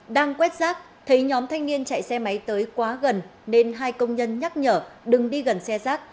đang quét rác thấy nhóm thanh niên chạy xe máy tới quá gần nên hai công nhân nhắc nhở đừng đi gần xe rác